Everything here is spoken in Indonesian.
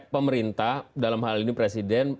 pemerintah dalam hal ini presiden